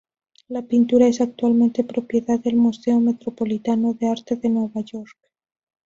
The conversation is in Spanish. La pintura es actualmente propiedad del Museo Metropolitano de Arte de Nueva York.